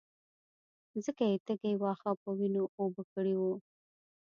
ځکه يې تږي واښه په وينو اوبه کړي وو.